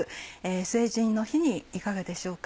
成人の日にいかがでしょうか？